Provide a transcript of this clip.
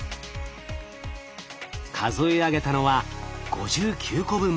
数え上げたのは５９個分。